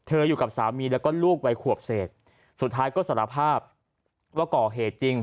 อยู่กับสามีแล้วก็ลูกวัยขวบเศษสุดท้ายก็สารภาพว่าก่อเหตุจริง